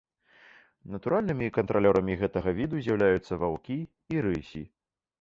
Натуральнымі кантралёрамі гэтага віду з'яўляюцца ваўкі і рысі.